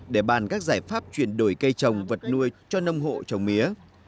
để bàn các giải pháp chuyển đổi cây trồng vật nuôi cho nông hộ trồng mía